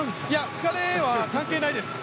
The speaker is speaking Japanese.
疲れは関係ないです。